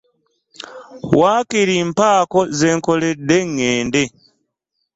Waakiri mpaako ze nkoledde ŋŋende.